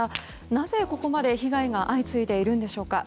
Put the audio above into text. なぜここまで被害が相次いでいるんでしょうか。